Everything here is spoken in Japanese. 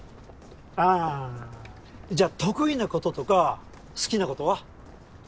ああじゃあ得意なこととか好きなことは？